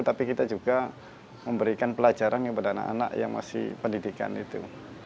tapi kita juga memberikan pelajaran kepada anak anak yang masih pendidikan itu